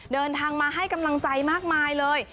เดินทางมาให้กำลังใจมากมายเลย